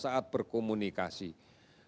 bahwa dirinya berpotensi untuk tertular